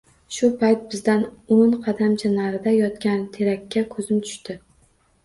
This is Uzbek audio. Shu payt bizdan oʻn qadamcha narida yotgan terakka koʻzim tushdi.